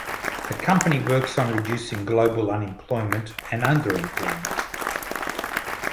The company works on reducing global unemployment and underemployment.